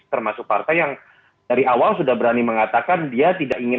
termasuk partai yang dari awal sudah berani mengatakan dia tidak ingin